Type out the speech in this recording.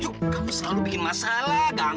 aku tuh kesini cuma mau nupang